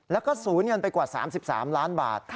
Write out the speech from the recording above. แล้วก็สูญเงินไปกว่า๓๓ล้านบาท